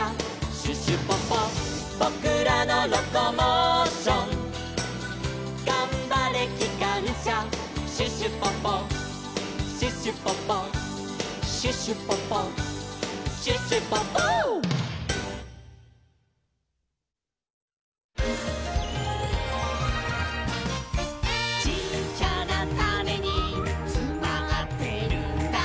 「ぼくらのロコモーション」「がんばれきかんしゃ」「シュシュポポシュシュポポ」「シュシュポポシュシュポポ」「ちっちゃなタネにつまってるんだ」